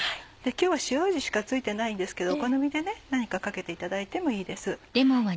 今日は塩味しか付いてないんですけどお好みで何かかけていただいてもいいです。